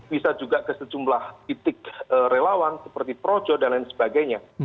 bisa juga ke sejumlah titik relawan seperti projo dan lain sebagainya